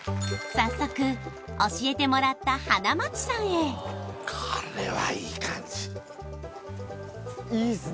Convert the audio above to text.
早速教えてもらった花町さんへこれはいい感じあっ